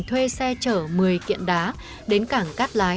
thuê xe chở một mươi kiện đá đến cảng cát lái